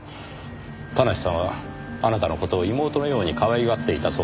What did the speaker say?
田無さんはあなたの事を妹のように可愛がっていたそうですねぇ。